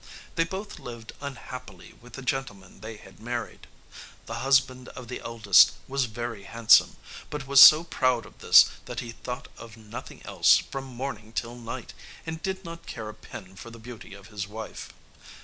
They both lived unhappily with the gentlemen they had married. The husband of the eldest was very handsome, but was so proud of this that he thought of nothing else from morning till night, and did not care a pin for the beauty of his wife.